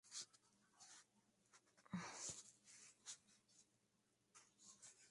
Los personajes fueron cambiados, aunque la estructura básica se mantuvo.